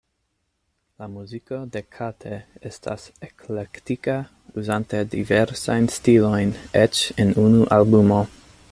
La muziko de Kate estas eklektika, uzante diversajn stilojn eĉ en unu albumo.